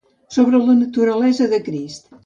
Sobre la naturalesa de Crist.